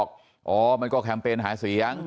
ขอบคุณเลยนะฮะคุณแพทองธานิปรบมือขอบคุณเลยนะฮะ